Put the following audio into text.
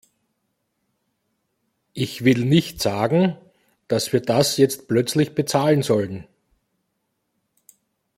Ich will nicht sagen, dass wir das jetzt plötzlich bezahlen sollen.